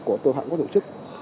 của tội phạm của tổ chức